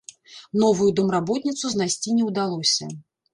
Новую домработніцу знайсці не ўдалося.